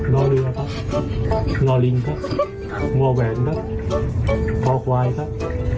ด้านเมื่อไหร่นะครับนอลลินยอยักษ์ครับนอเรือครับนอลลินครับ